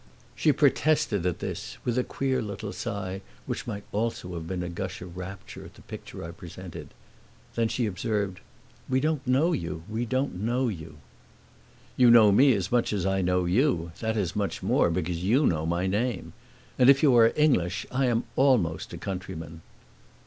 She protested at this, with a queer little sigh which might also have been a gush of rapture at the picture I presented. Then she observed, "We don't know you we don't know you." "You know me as much as I know you: that is much more, because you know my name. And if you are English I am almost a countryman."